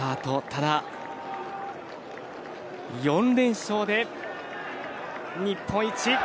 ただ、４連勝で日本一。